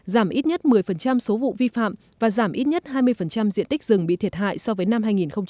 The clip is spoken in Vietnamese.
giảm ít nhất một mươi số vụ vi phạm và giảm ít nhất hai mươi diện tích rừng bị thiệt hại so với năm hai nghìn một mươi tám